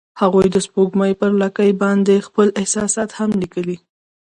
هغوی د سپوږمۍ پر لرګي باندې خپل احساسات هم لیکل.